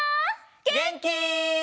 げんき？